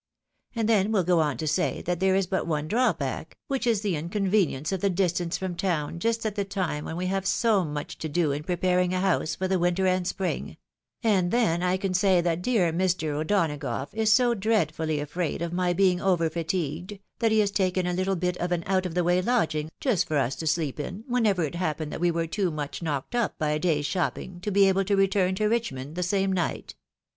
And then we'll go on to say that there is but one drawback, which is the inconvenience of the distance from town just at the time when we have so much to do in preparing a house for the winter and spring ; and then I can say that dear Mr. O'Donagough is so dreadfully afraid of my being over fatigued that he has taken a httle bit of an out of the way lodgings, just for us to sleep in, whenever it happened that we were too much knocked up by a day's shopping to be able to return to Richmond the same night.